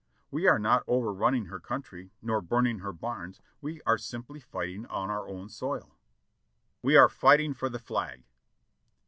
"We are not over running her country nor burning her barns, we are simply fighting on our own soil." "We are fighting for the flag."